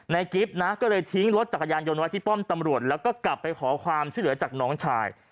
กิ๊บนะก็เลยทิ้งรถจักรยานยนต์ไว้ที่ป้อมตำรวจแล้วก็กลับไปขอความช่วยเหลือจากน้องชาย